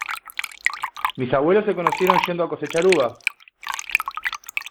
Mis abuelos se conocieron yendo a cosechar uvas.